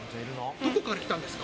どこから来たんですか。